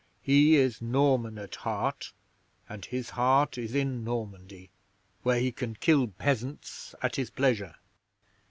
He is Norman at heart, and his heart is in Normandy, where he can kill peasants at his pleasure.